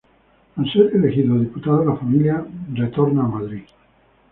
Al ser elegido diputado, la familia retorna a Madrid.